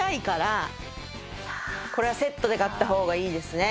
これはセットで買った方がいいですね。